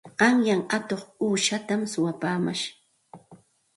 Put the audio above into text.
Qanyan atuq uushatam suwapaamash.